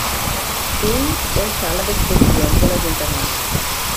Hui és sala d'exposicions de l'Ajuntament.